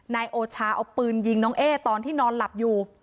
นายโอชาเอาปืนยิงน้องเอ๊ตอนที่นอนหลับอยู่